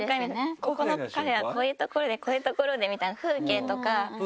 ここのカフェはこういうところでこういうところでみたいな。